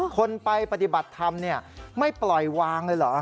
คนไปปฏิบัติธรรมไม่ปล่อยวางเลยเหรอ